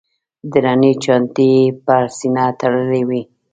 درنې چانټې یې پر سینه تړلې وې.